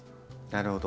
なるほど。